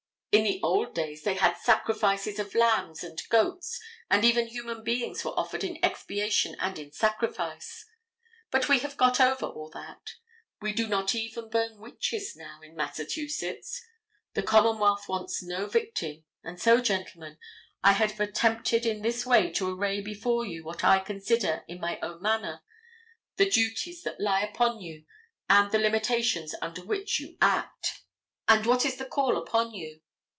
In the old days they had sacrifices of lambs and goats, and even human beings were offered in expiation and in sacrifice. But we have got over all that. We do not even burn witches now in Massachusetts. The commonwealth wants no victim, and so, gentlemen, I have attempted in this way to array before you what I consider, in my own manner, the duties that lie upon you and the limitations under which you act. And what is the call upon you?